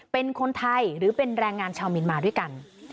เป็นคนไทยหรือเป็นแรงงานชาวเมียนมาด้วยกัน